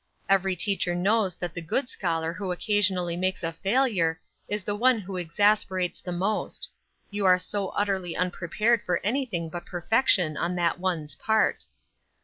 Every teacher knows that the good scholar who occasionally makes a failure is the one who exasperates the most; you are so utterly unprepared for anything but perfection on that one's part.